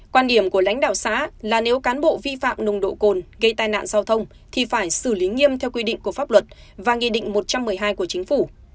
quan điểm của lãnh đạo xã là nếu cán bộ vi phạm nồng độ cồn gây tai nạn giao thông thì phải xử lý nghiêm theo quy định của pháp luật và nghị định một trăm một mươi hai của chính phủ